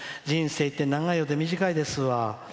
人生って長いようで短いですわ。